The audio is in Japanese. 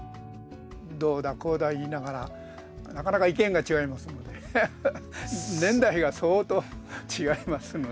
どうだこうだ言いながらなかなか意見が違いますんで年代が相当違いますので。